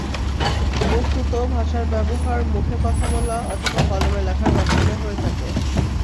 বস্তুত ভাষার ব্যবহার মুখে কথা বলা অথবা কলমে লেখার মাধ্যমে হয়ে থাকে।